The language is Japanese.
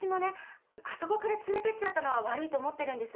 あそこから連れてっちゃったのは悪いと思ってるんです。